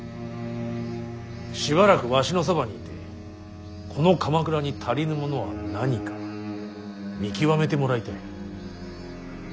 しばらくわしのそばにいてこの鎌倉に足りぬものは何か見極めてもらいたい。